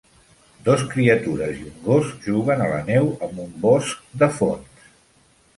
Dos criatures i un gos juguen a la neu amb un bosc de fons.